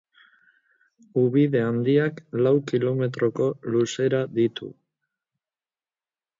Ubide Handiak lau kilometroko luzera ditu.